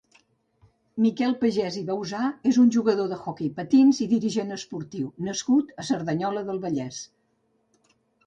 Miquel Pagès i Bauzà és un jugador d'hoquei patins i dirigent esportiu nascut a Cerdanyola del Vallès.